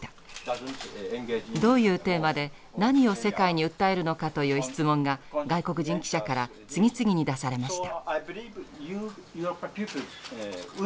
どういうテーマで何を世界に訴えるのかという質問が外国人記者から次々に出されました。